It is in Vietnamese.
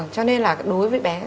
cho nên là đối với bé